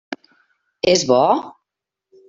És bo?